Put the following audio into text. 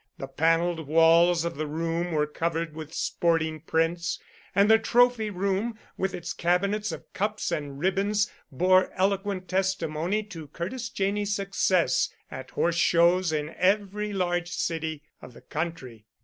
The paneled walls of the room were covered with sporting prints, and the trophy room, with its cabinets of cups and ribbons, bore eloquent testimony to Curtis Janney's success at horse shows in every large city of the country.